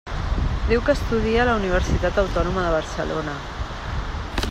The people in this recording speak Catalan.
Diu que estudia a la Universitat Autònoma de Barcelona.